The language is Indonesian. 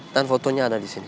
dan fotonya ada di sini